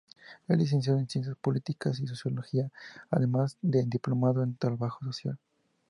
Es licenciado en Ciencias Políticas y Sociología, además de diplomado en Trabajo Social.